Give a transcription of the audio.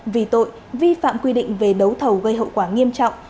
vì tội vi phạm quy định về đấu thầu gây hậu quả nghiêm trọng